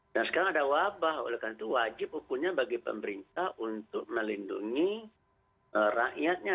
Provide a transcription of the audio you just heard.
dan sekarang ada wabah oleh karena itu wajib ukurnya bagi pemerintah untuk melindungi rakyatnya